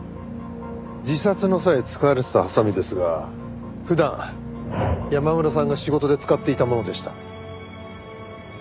自殺の際使われてたハサミですが普段山村さんが仕事で使っていたものでした。